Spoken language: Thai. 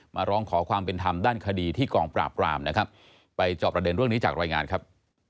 ร้องขอความเป็นธรรมด้านคดีที่กองปราบรามนะครับไปจอบประเด็นเรื่องนี้จากรายงานครับ